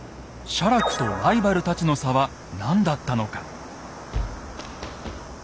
写楽とライバルたちの差は何だったのか。